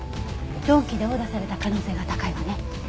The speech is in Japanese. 鈍器で殴打された可能性が高いわね。